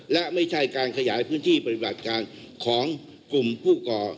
และไม่ใช่การขยายพื้นที่ปฏิบัติการของกลุ่มผู้ก่อ